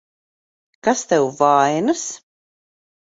Kas tev vainas?